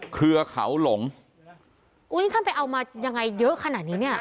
เครือเขาหลงอุ้ยท่านไปเอามายังไงเยอะขนาดนี้เนี่ย